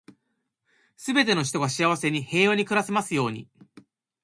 全ての人が幸せに、平和に暮らせますように。